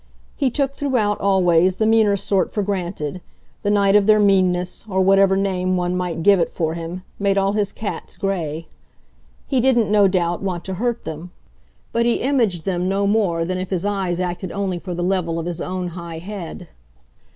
He took throughout, always, the meaner sort for granted the night of their meanness, or whatever name one might give it for him, made all his cats grey. He didn't, no doubt, want to hurt them, but he imaged them no more than if his eyes acted only for the level of his own high head.